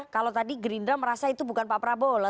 kalau tadi gerindra merasa itu bukan pak prabowo lah